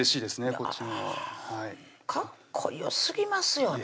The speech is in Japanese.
こっちもかっこよすぎますよね